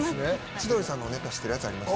千鳥さんのネタ知ってるやつあります？